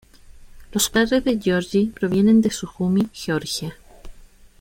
Los padres de Georgi provienen de Sujumi, Georgia.